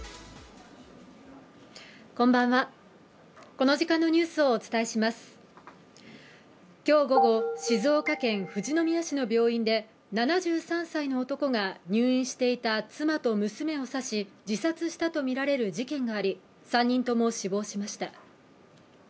このあとは最終競泳種目今日午後静岡県富士宮市の病院で７３歳の男が入院していた妻と娘を刺し自殺したとみられる事件があり３人とも死亡しました。